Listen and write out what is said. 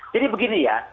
jadi begini ya